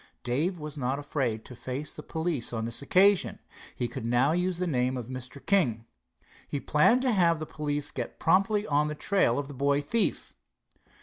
Dave was not afraid to face the police on this occasion. He could now use the name of Mr. King. He planned to have the police get promptly on the trail of the boy thief.